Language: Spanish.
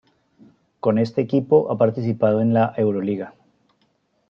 Con este equipo ha participado en la Euroliga.